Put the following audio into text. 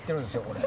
これ。